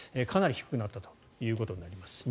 かなり低くなったということになります。